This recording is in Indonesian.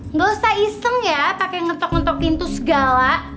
nggak usah iseng ya pake ngetok ngetokin tuh segala